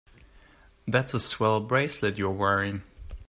That's a swell bracelet you're wearing.